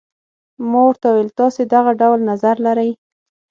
ما ورته وویل تاسي دغه ډول نظر لرئ.